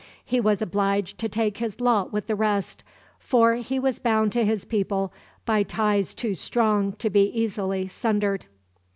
He was obliged to take his lot with the rest, for he was bound to his people by ties too strong to be easily sundered.